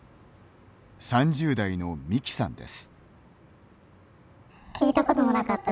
３０代のミキさんです。